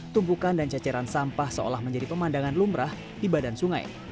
tumpukan dan ceceran sampah seolah menjadi pemandangan lumrah di badan sungai